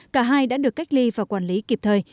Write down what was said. cả hai đã được cách ly và quản lý kịp thời